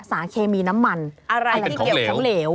สารเคมีน้ำมันอะไรที่เกี่ยวกับเหลว